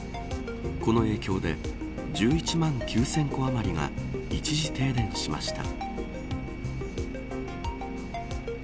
この影響で１１万９０００戸余りが一時停電しました。